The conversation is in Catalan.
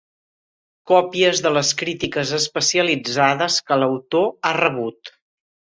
Còpies de les crítiques especialitzades que l'autor ha rebut.